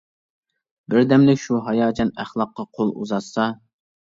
بىردەملىك شۇ ھاياجان، ئەخلاققا قول ئۇزاتسا.